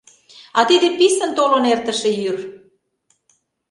А тиде писын толын эртыше йӱр.